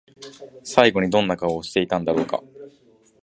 最後にどんな顔をしていたんだろうか？